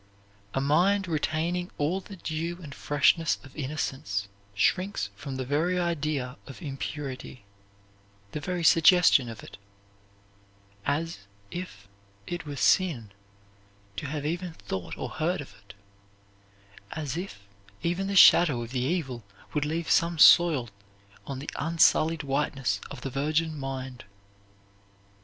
A mind retaining all the dew and freshness of innocence shrinks from the very idea of impurity, the very suggestion of it, as if it were sin to have even thought or heard of it, as if even the shadow of the evil would leave some soil on the unsullied whiteness of the virgin mind.